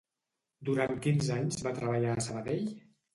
Durant quins anys va treballar a Sabadell?